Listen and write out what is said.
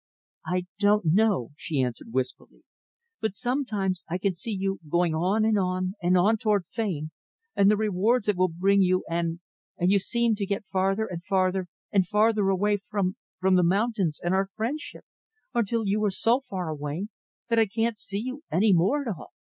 "I don't know," she answered wistfully, "but sometimes I can see you going on and on and on toward fame and the rewards it will bring you and you seem to get farther and farther and farther away from from the mountains and our friendship; until you are so far away that I can't see you any more at all.